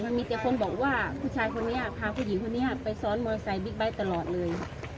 และมีแต่คนบอกผู้ชายพาผู้หญิงซ้อนมอเมฆไซด์เบิ๊บไบส์ตลอดเลย